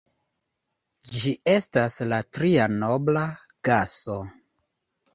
Ĝi estas la tria nobla gaso.